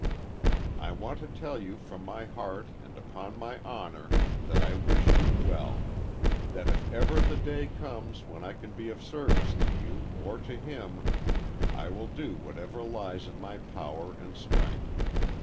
I want to tell you from my heart and upon my honor that I wish you well that if ever the day comes when I can be of service to you or to him, I will do whatever lies in my power and strength.